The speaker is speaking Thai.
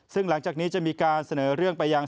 ซึ่งหลังจากนี้จะมีการเสนอเรื่องไปยัง